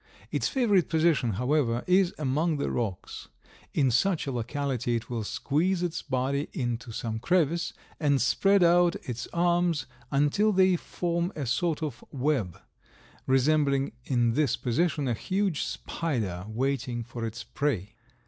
Its favorite position, however, is among the rocks. In such a locality it will squeeze its body into some crevice and spread out its arms until they form a sort of web, resembling in this position a huge spider waiting for its prey.